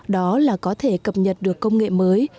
đó là có thể cập nhật được công nghệ mới